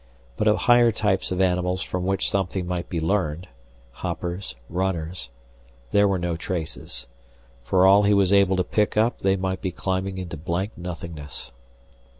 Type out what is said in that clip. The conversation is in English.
But of higher types of animals from which something might be learned hoppers, runners there were no traces. For all he was able to pick up, they might be climbing into blank nothingness.